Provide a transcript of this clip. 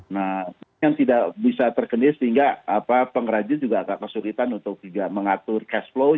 nah yang tidak bisa terkena sehingga pengrajin juga akan kesulitan untuk juga mengatur cash flow